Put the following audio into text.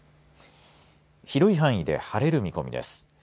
広い範囲で晴れる見込みです。